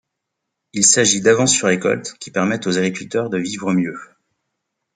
Il s'agit d'avances sur récoltes qui permettent aux agriculteurs de vivre mieux.